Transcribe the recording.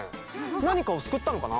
何かをすくったのかな。